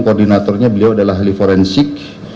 koordinatornya beliau adalah ahli forensik